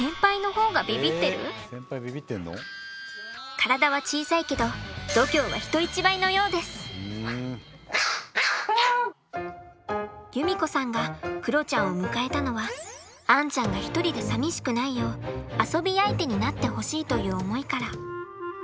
体は小さいけど由実子さんがクロちゃんを迎えたのはアンちゃんが一人でさみしくないよう遊び相手になってほしいという思いから。